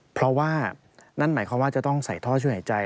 เพราะว่านั่นหมายความว่าจะต้องใส่ท่อช่วยหายใจ